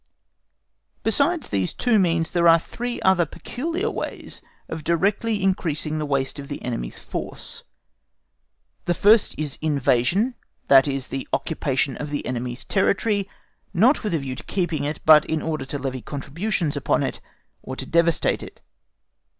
Besides these two means, there are three other peculiar ways of directly increasing the waste of the enemy's force. The first is invasion, that is the occupation of the enemy's territory, not with a view to keeping it, but in order to levy contributions upon it, or to devastate it.